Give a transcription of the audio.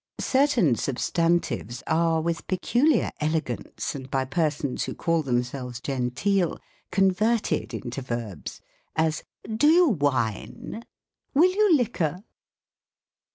Certain substantives are, with peculiar elegance, and by persons wlio call themselves genteel, converted into "verbs : as, " Do you wine?" " Will you liquor